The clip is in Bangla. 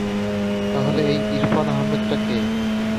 তাহলে এই ইরফান আহমেদটা কে?